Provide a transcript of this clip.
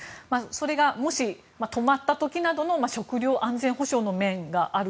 それがもし、止まった時などの食料安全保障の面がある。